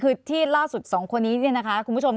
คือที่ล่าสุดสองคนนี้เนี่ยนะคะคุณผู้ชม